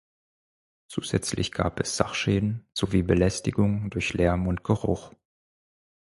Zusätzlich gab es Sachschäden sowie Belästigung durch Lärm und Geruch.